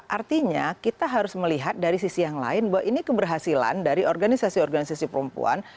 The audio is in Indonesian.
artinya kita harus melihat dari sisi yang lain bahwa ini keberhasilan dari organisasi organisasi perempuan